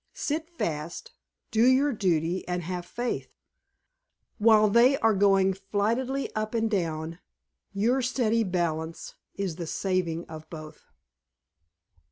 Sit fast, do your duty, and have faith. While they are going flightily up and down, your steady balance is the saving of both."